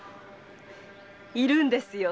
いるんですよ